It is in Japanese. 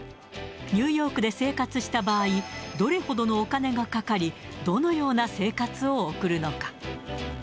ニューヨークで生活した場合、どれほどのお金がかかり、どのような生活を送るのか。